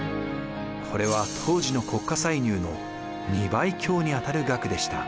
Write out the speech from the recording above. これは当時の国家歳入の２倍強にあたる額でした。